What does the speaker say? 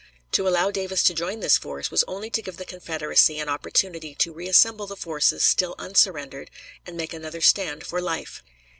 To allow Davis to join this force was only to give the Confederacy an opportunity to reassemble the forces still unsurrendered and make another stand for life.